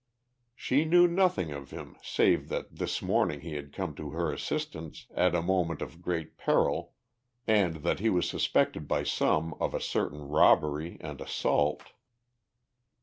She knew nothing of him save that this morning he had come to her assistance at a moment of great peril and that he was suspected by some of a certain robbery and assault....